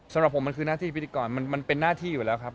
สำหรับผมมันคือหน้าที่พิธีกรมันเป็นหน้าที่อยู่แล้วครับ